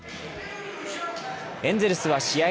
エンゼルスは試合